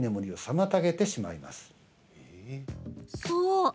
そう。